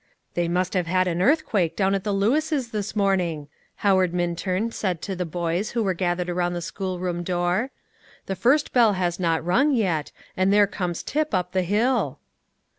"They must have had an earthquake down at Lewis's this morning," Howard Minturn said to the boys who were gathered around the schoolroom door. "The first bell has not rung yet, and there comes Tip up the hill."